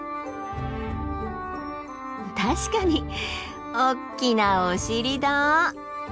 確かにおっきなお尻だ。